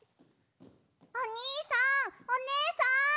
おにいさんおねえさん！